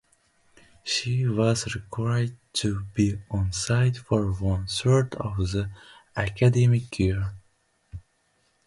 She was required to be on-site for one third of the academic year.